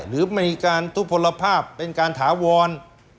หรือมีการทุบพลภาพเป็นการถาวร